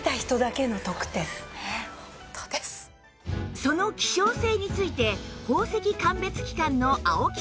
その希少性について宝石鑑別機関の青木さんは